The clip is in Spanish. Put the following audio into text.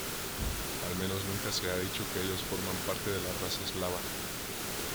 Al menos nunca se ha dicho que ellos forman parte de la raza eslava.